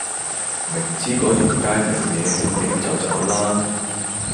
明知個條街冇野好影就走啦